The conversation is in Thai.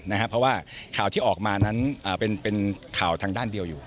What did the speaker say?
เพราะว่าข่าวที่ออกมานั้นเป็นข่าวทางด้านเดียวอยู่